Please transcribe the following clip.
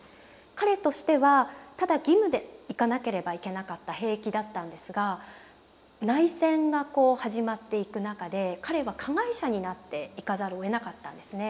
彼としてはただ義務で行かなければいけなかった兵役だったんですが内戦が始まっていく中で彼は加害者になっていかざるをえなかったんですね。